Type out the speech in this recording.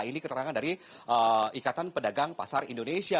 ini keterangan dari ikatan pedagang pasar indonesia